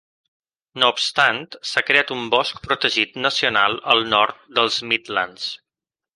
No obstant, s'ha creat un bosc protegit nacional al nord dels Midlands.